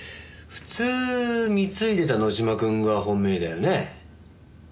普通貢いでた野島くんが本命だよね？